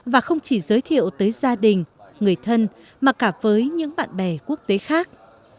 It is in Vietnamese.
và không chỉ giới thiệu tới gia đình người thân mà cả với những bạn bè quốc tế khác